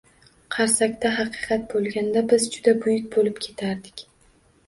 Qarsakda haqiqat boʻlganda biz juda buyuk boʻlib ketardik.